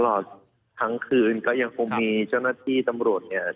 ตลอดทั้งคืนก็ยังคงมีเจ้าหน้าที่ตำรวจเนี่ย